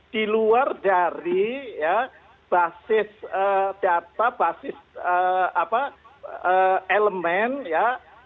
diluar dari basis data basis elemen ya